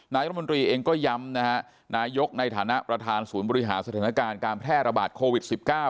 รัฐมนตรีเองก็ย้ำนะฮะนายกในฐานะประธานศูนย์บริหารสถานการณ์การแพร่ระบาดโควิด๑๙